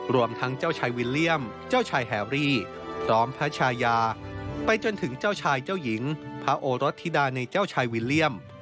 รวมทั้งเจ้าชายวิลเลี่ยมเจ้าชายแฮรี่พร้อมพระชายาไปจนถึงเจ้าชายเจ้าหญิงพระโอรสธิดาในเจ้าชายวิลเลี่ยม